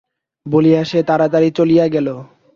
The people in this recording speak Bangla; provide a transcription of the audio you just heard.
বলিয়া সে তাড়াতাড়ি চলিয়া গেল।